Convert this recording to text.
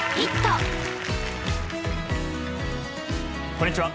こんにちは。